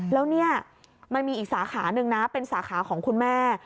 แล้วเนี่ยมันมีอีกสาขาหนึ่งนะเป็นสาขาของคุณแม่